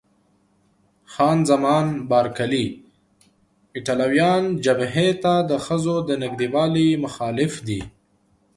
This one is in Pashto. خان زمان بارکلي: ایټالویان جبهې ته د ښځو د نږدېوالي مخالف دي.